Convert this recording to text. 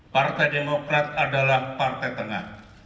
partai demokrat adalah partai tengah